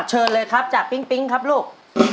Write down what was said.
เชิญเลยครับจากปิ๊งปิ๊งครับลูก